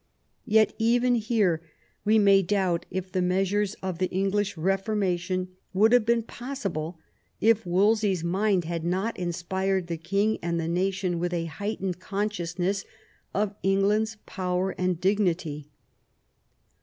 Yet even here we may doubt if the i measures of the English Beformation would have been f possible if Wolsey's mind had not inspired the king and the nation with a heightened consciousness of England's power and dignity.